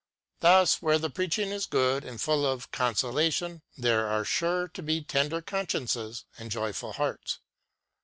Thus, where the preaching is good and full of consolation, there are sure to be tender consciences and joyful hearts.